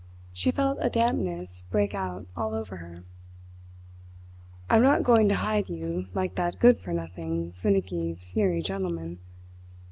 She felt a dampness break out all over her. "I am not going to hide you, like that good for nothing, finicky, sneery gentleman.